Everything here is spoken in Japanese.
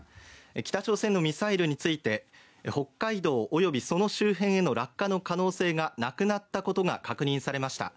北朝鮮のミサイルについて、北海道及びその周辺への落下の可能性がなくなったことが確認されました。